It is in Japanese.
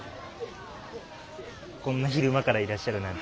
こんな昼間からいらっしゃるなんて。